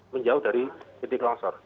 menjauh dari titik longsor